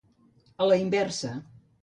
A la inversa.